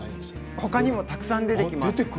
ほかにもたくさん出てきます。